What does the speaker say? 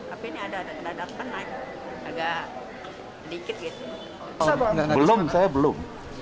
ada syarat yang belum